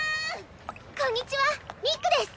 こんにちはミックです！